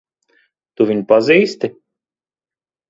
Tu viņu pazīsti?